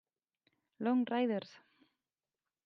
Long Riders!